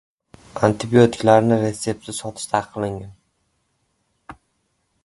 Antibiotiklarni retseptsiz sotish taqiqlangan